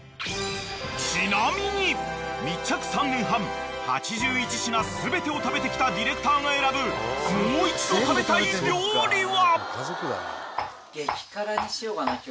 ［ちなみに密着３年半８１品全てを食べてきたディレクターが選ぶもう一度食べたい料理は？］